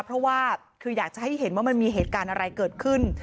เพราะว่าคืออยากจะให้เห็นว่ามันมีเหตุการณ์อะไรเกิดขึ้น